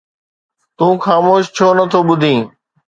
تون خاموش ڇو نه ٿو ٻڌين؟